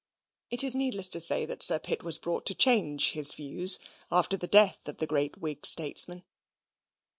It is needless to say that Sir Pitt was brought to change his views after the death of the great Whig statesman.